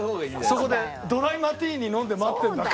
そこでドライマティーニ飲んで待ってるんだ。